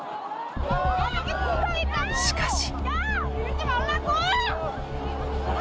しかし。